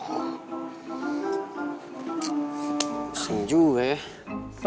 pesan juga ya